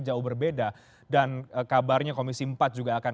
jauh berbeda dan kabarnya komisi empat juga akan